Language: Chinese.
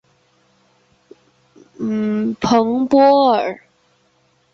蓬波尔。